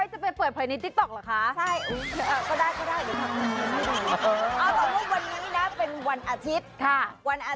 ๒คนหัวหาย๓คนเม้วดาย